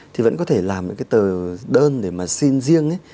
thì vẫn có thể làm những cái tờ đơn để mà xin riêng